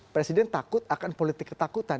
presiden takut akan politik ketakutan